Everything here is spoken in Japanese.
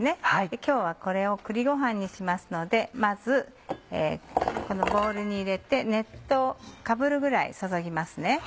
今日はこれを栗ごはんにしますのでまずこのボウルに入れて熱湯かぶるぐらい注ぎますね。